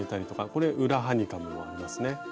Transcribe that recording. これ裏ハニカムもありますね。